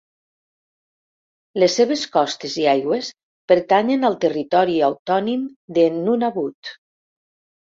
Les seves costes i aigües pertanyen al territori autònim de Nunavut.